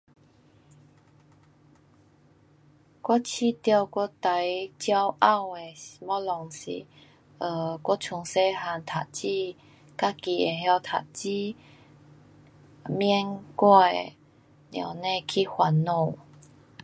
我觉得我最骄傲的东西是 um 我从小个读书，自己会晓读书。免我的母亲去烦恼。